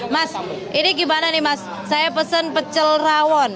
mas ini gimana nih mas saya pesen pecel rawon